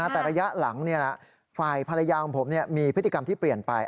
แต่ระยะหลังฝ่ายภรรยาของผมมีพฤติกรรมที่เปลี่ยนไป